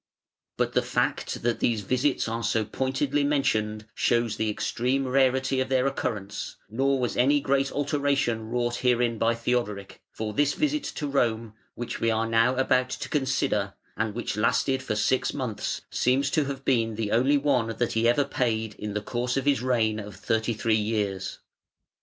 But the fact that these visits are so pointedly mentioned shows the extreme rarity of their occurrence; nor was any great alteration wrought herein by Theodoric, for this visit to Rome, which we are now about to consider, and which lasted for six months, seems to have been the only one that he ever paid in the course of his reign of thirty three years.